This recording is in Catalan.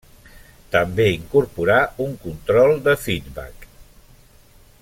També incorporà un control de feedback.